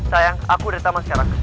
sayang aku udah di taman sekarang